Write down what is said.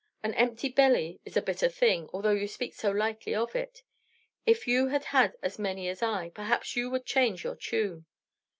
An empty belly is a bitter thing, although you speak so lightly of it. If you had had as many as I, perhaps you would change your tune.